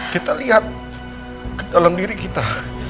kita lihat dalam diri kita